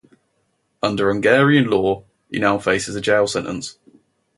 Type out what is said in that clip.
Under Hungarian law he now faces a jail sentence.